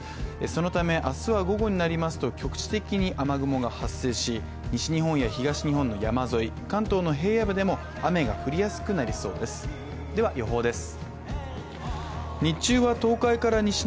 そのため明日は午後になりますと局地的に雨雲が発生し、西日本や東日本の山沿い、関東の平野部でも雨が降りやすくなりそうですでは予報です。